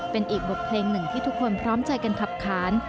เป็นอีกบทเพลงหนึ่งที่ทุกคนพร้อมใจกันขับขาน